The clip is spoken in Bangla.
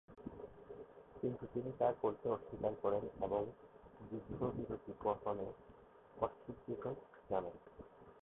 কিন্তু তিনি তা করতে অস্বীকার করেন এবং যুদ্ধবিরতি গ্রহণে অস্বীকৃতি জানান।